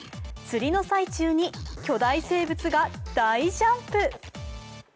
釣りの最中に巨大生物が大ジャンプ。